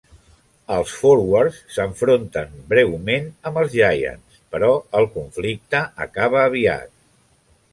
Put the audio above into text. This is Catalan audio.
Els Forwards s'enfronten breument amb els Giants, però el conflicte acaba aviat.